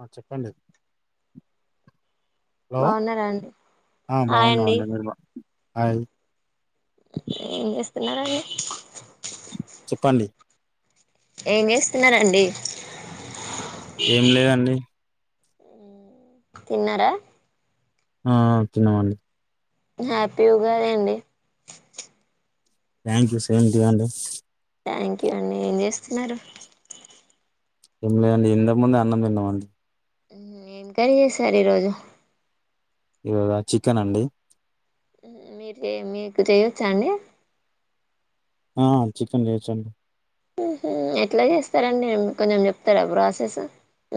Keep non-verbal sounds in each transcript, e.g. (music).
ఆ చెప్పండి హలో బాగున్నారా అండి ఆ హాయ్ అండి బాగున్నామండి మీరుా బా హాయ్ ఏం చేస్తున్నారా అడి చెప్పండి ఏం చేస్తున్నండి ఏం లేదండి తిన్నరా ఆ తిన్నమండి హ్యాపీ ఉగాదండి thank you same to you అండి థ్యాంక్ యూ అండి ఏం చేస్తున్నరు ఏం లేదండి ఇంతక ముందే అన్నం తిన్నమం హ్మ్మ్ ఏం కర్రీ చేసారీరోజు ఇవాళ చికెన్ అండి మీరు మీకు చేయొచ్చ అండి ఆ చికెన్ చేసన్ ఎట్లా చేస్తారంండి కొంచెం చెప్తారా బ ఆసెస్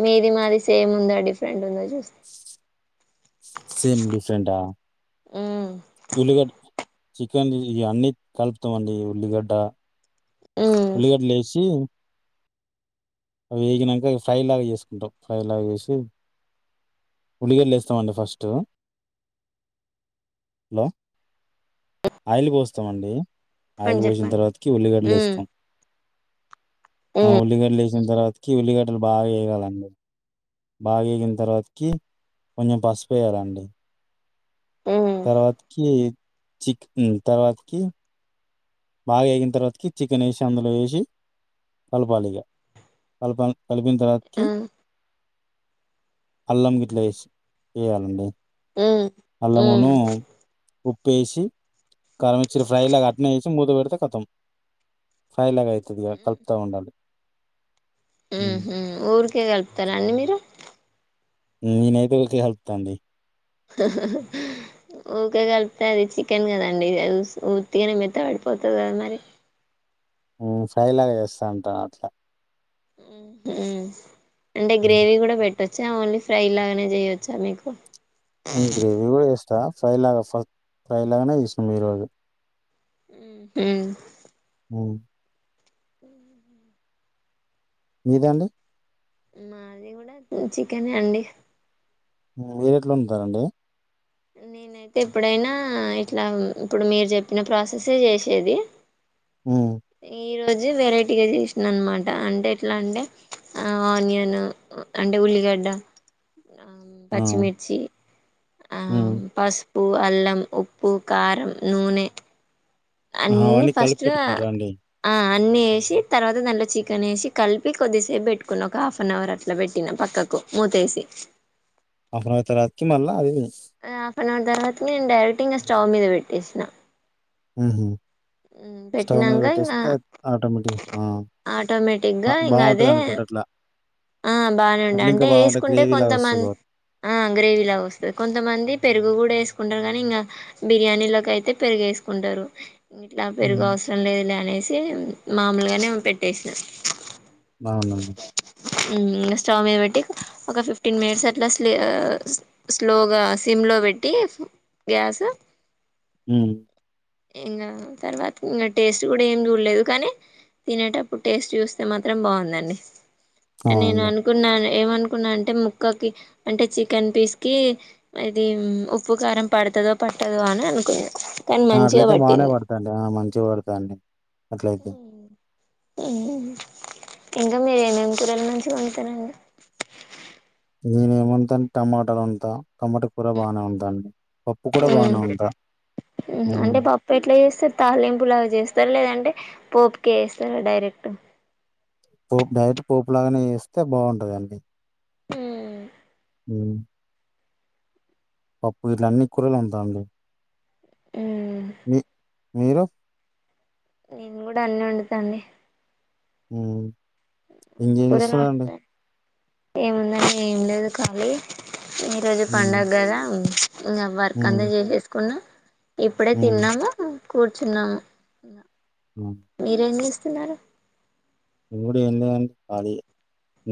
మీది మాది సేమ్ ఉందా డిఫరెంట్ ఉందా చూస్తే సేమ్ డిఫరెంటా ఉల్లిగడ్డ చికెన్ ఇ అన్నీ కలుపుతామండి. ఉల్లిగడ్డ ఉల్లిగడ్డలేసి ఈ అవి వేగినక ఫ్రై లాగా చేసుకుంటాం. ఫ్రై లాగా చేేసి ఉల్లిగడ్లేస్తామండి ఫస్ట్ హలో ఆయిల్ పోస్తామండి ఆయిల్ చెప్పండి బోసిన చెప్పండి తర్వాతకి మ్మ్ ఉల్లిగడ్లెస్తాం. ఆ ఉల్లిగడ్లెసిన తర్వాతకి, ఉల్లిగడ్డలు బాగా వేగాలండి. బాగేగిన తర్వాతకి కొంచెం పసుపెయ్యాలండి. మ్మ్ మ్మ్ తర్వాతకి చిక్ తర్వాతకి బాగేగిన తర్వాతకి చికెనేసి అందులో వేసి కలపాలిగ. కలపా కలిపిన ఆ తర్వాతకి అల్లంగిట్ల వేసి వేయండి. మ్మ్ అల్లమును, మ్మ్ ఉప్పేసి కరమిచ్చిన ఫ్రై లాగా అట్నీవేసి మూత పెడి కతం ఫై లాగా అయితది ఇగ కలుపుతా ఉండాలి ఉమ్. ఉహు ఊరికే కలుపుతారా అండి మీరు నేనైతే ఊకె కలుపుత అండి మీరు ఊకే కలిపితే అది చికెన్ కదండి ఉత్తిగానే మెత్త పడిపోతుంది కదా మరి ఉ ఫ్రై లాగా చేస్తా ఉంటా అట్లా ఉహు అంటే ఉమ్. గ్రేవీ కూడా పెట్టొచ్చా ఓన్లీ ఫ్రై లాగానే చేయొచ్చా మీకు గ్రేవీ కూడా చేస్తా ఫ్రై లాగా ఫస్ట్ ఫ్రై లాగానే చేసాం ఈ రోజు ఉహు ఉ (inaudible) నువ్వు అండి మాది కూడా చికెన్ ఏ అండి మీరు ఎట్లా వండుతారండి నేనైతే ఎప్పుడైనా ఇట్లా ఇప్పుడు మీరు చెప్పిన ప్రాసెసే చేసేది (inaudible) హ్మ్. ఈ రోజు వెరైటీగా చేసినా అనమాట అంటే ఎట్లా అంటే ఆనియన్ అంటే ఉలిగడ్డ ఆమ్ ఆ! పచ్చిమిర్చి హ్మ్. ఆమ్ పసుపు, అల్లం, ఉప్పు కారం, నూనె ఆహా! అన్ని అవన్నీ ఫస్ట్ కలిపి లో పెట్టుకుంటారా అండి? ఆ అన్ని ఏసి తర్వాత దాంట్లో చి చికెన్ కలిపి కొద్దిసేపు పెట్టుకున్న ఒక హాఫ్ అన్ అవర్ అట్లా పెట్టిన పక్కకు మూతేసి హాఫ్ ఆన్ అవర్ తర్వాతకి మల్ల ఆది హాఫ్ అన్ అవర్ తర్వాత నేను డైరెక్ట్ ఇంకా స్టవ్ మీద పెట్టేస్న ఉహు స్టోవ్ మీద ఇంకా పెట్టేస్తే ఆటోమేటిక్ ఆ ఆటోమేటిక్గా ఇంకా బాగుంటది అదే అనుకుంట అట్లా ఆ బానే ఉండా అట్లా ఇంకా అంటే బావుంటది. ఎసుకుంటే గ్రేవీలాగా వస్తది కొంతమంది కాబట్టి. ఆ గ్రేవీ లా వస్తది కొంతమంది పెరుగు కూడా కుంటారు కానీ ఇంకా బిర్యానీ లోకైతే పెరుగు వేసుకుంటరు ఇట్లా పెరుగు హ్మ్. అవసరం లేదు లే అనేసి మామలుగానే పెట్టేసినా బావుంది అండి ఊ స్టవ్ మీద పెట్టి ఒక ఫిఫ్టీన్ మినిట్స్ అట్లా స్ స్లోగా సిమ్ లో పెట్టీ గ్యాస్ ఉ ఇంకా తర్వాత ఇంకా టేస్ట్ కూడా ఏం చూడలేదు కానీ తినేటప్పుడు టేస్ట్ చూస్తే మాత్రం బాగుందండి నేను అవునండి. అనుకున్నాను ఏమనుకున్నా అంటే ముక్కకి అంటే చికెన్ పీస్ కి ఇది ఉప్పు కారం పడు పడతదో పట్టదో అని అనుకున్న ఆ అట్లయితే బానే పడతాలే ఆ మంచిగా పడతాలె అట్లయితే ఇంకా మీరు ఏమేమి కూరలు మంచిగా వండుతరండి నేనే ఏం వండుత టమాటాలు వండుతా టమాటా కూర బాగానే వండుతా పప్పు కూడా బానే వండుతా హ్మ్. అంటే పప్పు ఎట్లా చేస్తారు తాలింపు లాగా చేస్తార లేదంటే పోప్ కేస్తారు డైరెక్ట్ పోపు డైరెక్ట్ పోపు లాగానే చేస్తే బాగుంటదండి హు ఊ పప్పు గిట్ల అన్ని కూరలు వండుతా అండి మీ మీరు నేను కూడా అన్ని వండుతా అండి ఉ ఇంకేం చేస్తున్నారండి ఏముంధండి ఏం లేదు ఖాలీ ఈరోజు హ్మ్. పండుగ కదా ఇంకా వర్క్ అంత హ్మ్. చేసుకున్నా ఇప్పుడే హ్మ్. తిన్నాము కూర్చున్నాము హ్మ్. మీరేమీ తిన్నాను మేము కూడా ఏం లేదండి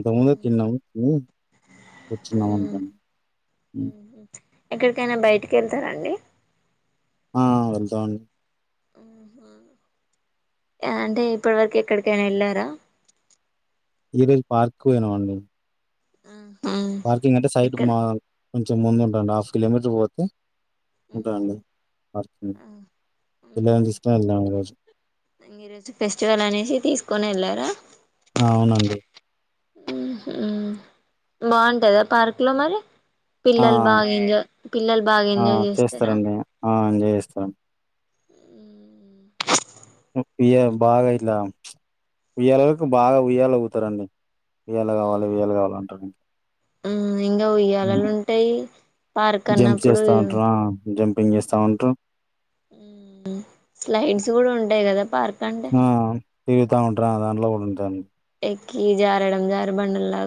తిన్నాను ఖాళీగానే వచ్చినవనుంగా ఎక్కడికైనా బయటికి వెళ్తారాండి ఆ వెళ్తాండి ఆహా అంటే ఇప్పటి వరకు ఎక్కడికైనా వెళ్ళారా ఈరోజు పార్కుకు పోయినం ఆ పార్కింగ్ అంటే సైట్ మా కొంచెం ముందు ఉంటండి హాఫ్ కిలోమీటర్ పోతే ఉంటదండి ఉమ్ పార్కింగ్ ఉహు పిల్లలను తీసుకొని వెళ్దామండి ఈరోజు ఈరోజు ఫెస్టివల్ అనేసి తీసుకొని వెళ్లారా ఆ అవునండి ఆ హ బాగుంటాదా పార్క్ లో మరి ఆ! పిల్లలు బాగా ఎంజాయ్ పిల్లలు బాగా ఆ! ఎంజాయ్ చేస్తారా చేస్తారండి. ఆ ఎంజాయ్ చేస్తారు ఉమ్ ఉయ్య బాగా ఇట్లా ఉయ్యాలరకు బాగా ఉయ్యాల ఊగుతా రండి ఉయ్యాల కావాలి ఉయ్యాల కావాలి అంటారు ఇంకా ఆ ఇంకా ఉయ్యాలాలు ఉంటాయి పార్క్ జంప్ అన్నప్పుడు చేస్తా ఉంటారు. ఆ! జంపింగ్ చేస్తా ఉంటాం స్లైడ్స్ కూడా ఉంటాయి కదా పార్క్ అంటే టీవితా ఉంట అలో కూడాంటాను ఎకి జారడం జారు బండల్లా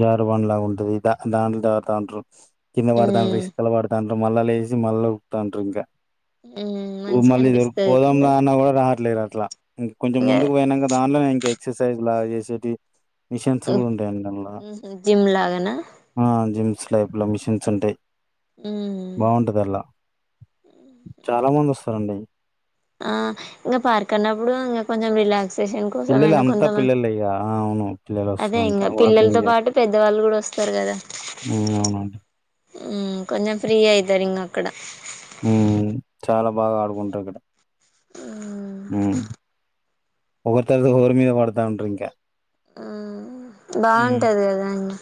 జారుబండ లాగా ఉంటది దా దాండ్లు దారు దాండ్రరు కిందవాడ దాంలు ఉమ్ ఇకల వాడ దాంలు మళ్ళ మళ్ళకుతంటారు ఇంకా ఉమ్ మంచిగా మళ్ళ అనిపిస్తది దొపోదాం పిల్ల అ లేరు అట్లా ఇంక కొంచెం ఇంకా ముందుకు పోయినాక దానిట్లోనే ఇంక ఎక్సర్సైజ్ లా చేసేవి మిషన్స్ కూడా ఉంటాయి అండలో జిమ్ లాగానా ఆ జిమ్స్ టైప్ లో మిషన్స్ ఉంటాయి ఉ హు బాగుంటది అలా చాలా మంది వస్తారండి ఆ ఇంకా పార్క్ అన్నప్పుడు ఇంకా కొంచెం రిలాక్స్ పిల్లలు కోసంయినా అంతా కొంతమంది పిల్లలే ఇగ ఆ అవును పిల్లలు అదే వస్తారంట ఇంకా పిల్లలతో పాటు పెద్దవాళ్ళు కూడా వస్తారు కదా అ అవునండి కొంచెం ఫ్రీ అయితారు ఇంగ్ అక్కడ ఉ చాలా బాగా ఆడుకుంటారు ఇక్కడ ఉమ్ ఉ ఒకరి తరత హోరు మీద పడతా ఉంటారు ఇంకా ఉ హ్మ్. బాగుంటది కదా అండి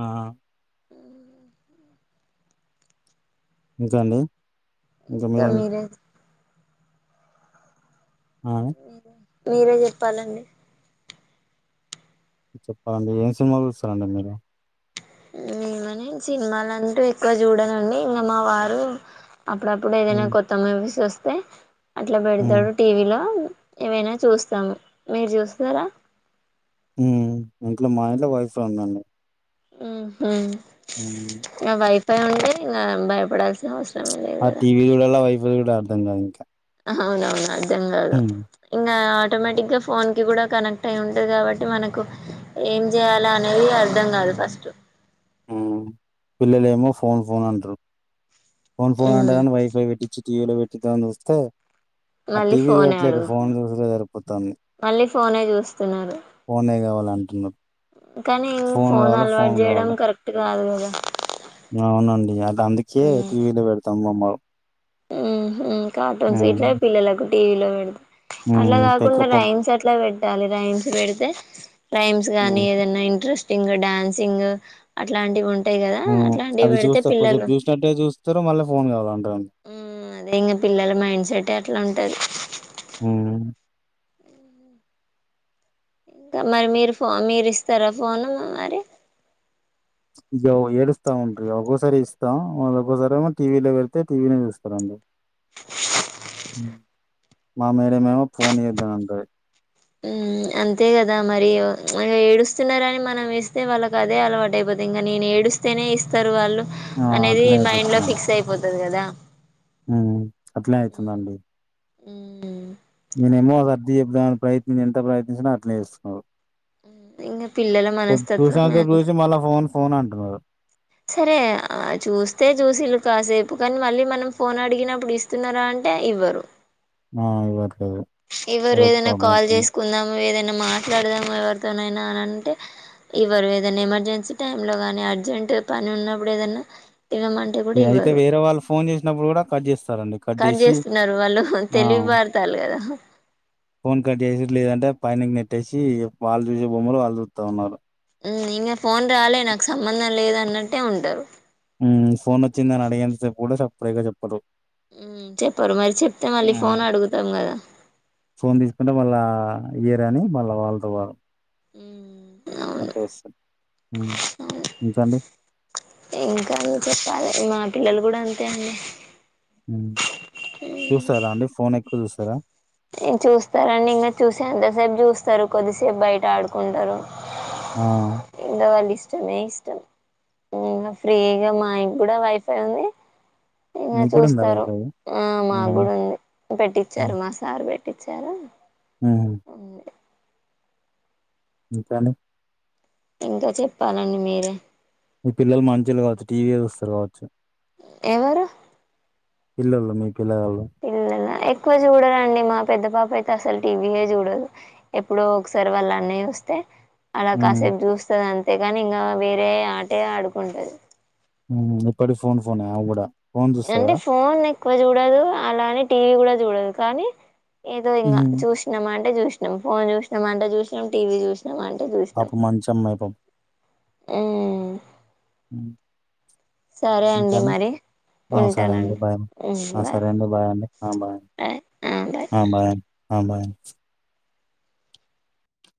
ఆ హు ఇంకా అండి ఇంకా అంతా మీరేం మీరే ఆ మీరే చెప్పాలండి చెప్పాలండి ఏం సినిమా చూస్తారండి మీరు ఏమని సినిమాలంటూ ఎక్కువ చూడనండి ఇంకా మా వారు అప్పుడప్పుడు ఏదైనా హ్మ్. కొత్త మూవీస్ వస్తే అట్లా హ్మ్. పెడతాడు టీవీలో ఏమైనా చూస్తాము మీరు చూస్తారా మ్మ్ ఇంట్లో మా ఇంట్లో వైఫై ఉందండి మ్మ్ హ్మ్. హ్హ్ వైఫై ఉంటే ఇంకా భయపడాల్సిన అవసరం లేదు ప్చ్ ఆ కదా టీవీ చూడాలా వైఫై చూడాలా అర్థం కాదు ఇంకా హా హ్ అవునవును అర్ధంకాదు హ్మ్. ఇం ఆటోమేటిక్ గా ఫోన్ కి కూడా కనెక్ట్ అయి ఉంటది కాబట్టి మనకు ఏం చేయాలా అనేది అర్థం కాదు ఫస్ట్ మ్మ్ పిల్లలేమో ఫోన్ ఫోన్ అంటారు ఫోన్ ఫోన్ ఉమ్ ఆంటారని వైఫై పెట్టించి టీవీలో పెట్టిద్దామని చూస్తే ఆ మళ్ళీ టీవీ ఫోనే చూడట్లేదు ఫోన్ అడుగుతుంది చూసుడే సరిపోతంది మళ్ళీ ఫోనే చూస్తున్నారు కావాలంటున్నారు. కానీ ఫోను ఫోన్ కావాలా, అలవాటు ఫోను చేయడం కావాలా. కరెక్ట్ కాదు కదా అవునండి అది అందుకే టీవీలో పెడతాం బొమ్మలు మ్మ్ హ్హ్ కార్టూన్స్ హ్మ్. ఇట్లా పిల్లలకు టీవీలో పెడతా అట్లా హ్మ్. కాకుండా పెంకపో రైమ్స్ అట్లా పెట్టాలి రైమ్స్ పెడితే రైమ్స్ హ్మ్. గానీ ఏదన్నా ఇంట్రెస్టింగ్ డాన్సింగ్ అట్లాంటివి ఉంటే మ్ అవి చూస్తారు కొద్దిసేపు చూసినట్టే చూస్తారు మళ్ళీ ఫోన్ కావాలంటరు అదే ఇంకా పిల్లల మైండ్ సెట్టే అట్లా ఉంటది హ్మ్. ఇంకా మరి మీరు ఫోను ఇస్తారా ఇగ ఏడుస్తా ఉంటడు ఒక్కోసారి ఇస్తాం ఒక్కోసారి టీవీ లో పెడితే టీవీని చూస్తారండి మా మేడమ్ మెమో ఫోన్ ఇయ్యద్దని అంటది మ్మ్ హ్ అంతే కదా మరి ప్చ్ ఏడుస్తున్నారని మనం ఇస్తే వాళ్ళకి అదే అలవాటు అయిపోతంది ఇంకా నేను ఏడు స్తనే ఇస్తారు వాళ్ళు ఆ! అనేది అట్లనే మైండ్ లో ఫిక్స్ అయిపోతది కదా మ్మ్ అట్లనే అవుతుందండి మ్మ్ హ్ నేనేమో అది సర్ది చెప్పుదామని ప్రయత్నించినా అట్నే చేస్తున్నాడు ఇంగ పిల్లల చూసే మనస్తత్వం అంత సేపు అంతే చూసి మళ్ళా ఫోన్ ఫోన్ అంటున్నడు సరే చూస్తే చూసిళ్ళు కాసేపు కానీ మళ్ళీ మనం ఫోన్ అడిగినప్పుడు ఇస్తున్నారా అంటే ఇవ్వరు ఆ ఇవ్వరు ఎవరు ఏదైనా కాల్ చేసుకుందాము ఏదైనా మాట్లాడదాము ఎవరితోనైనా అని అంటే ఇవ్వరు ఏదన్నా ఎమర్జెన్సీ టైం లో గాని అర్జెంట్ పని ఉన్నప్పుడు ఏదన్నా ఇవ్వమంటే కూడా ఇగ అయితే ఇవ్వరు వేరే వాళ్ళు ఫోన్ చేసినప్పుడు కూడా కట్ చేస్తారండి కట్ చేస్తున్నారు వాళ్ళు ఆ! తెలివిపడతాల్లు కదా ఫోన్ కట్ చేసుడు లేదంటే పైనకి నెట్టేసి వాళ్ళు చూసే బొమ్మలు వాళ్ళు చూస్తా ఉన్నారు ఇంకా ఫోన్ రాలే నాకు సంబంధం లేదు అన్నట్టే ఉంటారు మ్ ఫోన్ వచ్చిందని అడిగేంత సేపు కూడా సప్పుడేక చెప్పరు మ్మ్ చెప్పరు మరి చెప్తే మళ్ళీ ఉమ్, ఫోన్ అడుగుతాం కదా ఫోన్ తీసుకుంటే మళ్ళా ఇయ్యరని మళ్ళా వాళ్ళతో వాళ్ మ్మ్ హ్ అట్లే చేస్తారు ఇంకా అండి ఇంకా చెప్పాలి మా పిల్లలు కూడా అంతే అండి చూస్తారా అండి ఫోన్ ఎక్కువ చూస్తారా చూస్తారండి ఇంకా చూసి అంత సేపు చూస్తారు కొద్దిసేపు బయట ఆడుకుంటారు ఆ, ఉండవండి ఇష్టమే ఇష్టం ఫ్రీగా మాకు కూడా వైఫై ఉంది ఇంకా మీకు కూడా ఉందా చూస్తారు వైఫై ఆ మాకు కూడా ఉంది పెట్టించారు మా సార్ పె ట్టించారు ఆ ఇకాను ఇంకా చెప్పాలండి మీరే ఈ పిల్లలు మంచిలు కావచ్చు టీవీ చూస్తారు కావచ్చు ఎవరు పిల్లళు మీ పిల్లవాళ్ళు పిల్లల ఎక్కువ చూడరుండి మా పెద్ద పాప అయితే అసలు టీవీయే చూడదు ఎప్పుడో ఒకసారి వాళ్ళు అన్నయ్య వస్తే అలా ఉమ్, కాసేపు చూస్తుది అంతేగాని ఇంకా వేరే ఆటే ఆడుకుంటది ఇప్పటి ఫోన్ ఫోన్ అ కూడా ఫోన్ అంటే చూస్తదా ఫోన్ ఎక్కువ చూడదు అలానే టీవీ కూడా చూడదు కానీ ఏదో ఇంకా చూసినం అంటే చూసినాం ఫోన్ చూసినాం అంటే చూసినాం టీవీ చూసినాం అంటే చూసినాం అపు మంచం మైపం ఉమ్ సరే అండి ఇంకాండి మరి సరే అండి ఉంటానండి బాయ ఉమ్ బాయ్ సరే అండి బాగాండి బాగుడి బాయ్ ఆ బాయ్ బాగాడి ఆ బాయ్